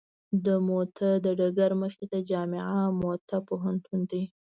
د موته د ډګر مخې ته جامعه موته پوهنتون دی.